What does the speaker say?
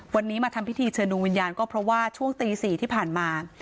วันนี้มาทำพิธีเชิญดวงวิญญาณก็เพราะว่าช่วงตี๔ที่ผ่านมา